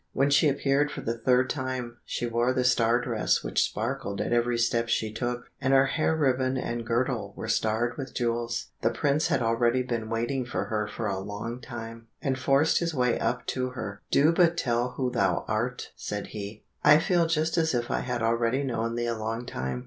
When she appeared for the third time, she wore the star dress which sparkled at every step she took, and her hair ribbon and girdle were starred with jewels. The prince had already been waiting for her for a long time, and forced his way up to her. "Do but tell who thou art," said he, "I feel just as if I had already known thee a long time."